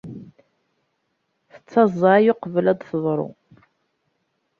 Tettaẓay uqbel ad d-teḍṛu.